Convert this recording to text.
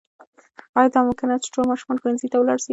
آیا دا ممکنه ده چې ټول ماشومان ښوونځي ته ولاړ سي؟